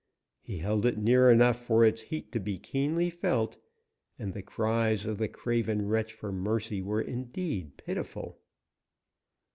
He held it near enough for its heat to be keenly felt, and the cries of the craven wretch for mercy were indeed pitiful.